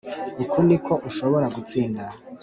Uku ni uko ushobora gutsinda